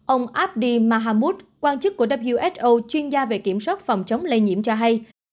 ông abdi mahamud quan chức của who chuyên gia về kiểm soát phòng chống lây nhiễm cho hay